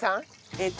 えっと